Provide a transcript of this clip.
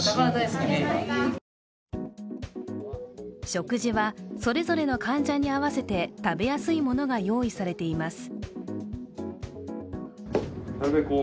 食事はそれぞれの患者に合わせて食べやすいものが用意されています。